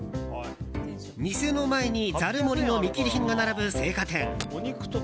店の前にざる盛りの見切り品が並ぶ青果店。